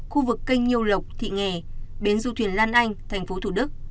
khu vực kênh nhiêu lộc thị nghè bến du thuyền lan anh thành phố thủ đức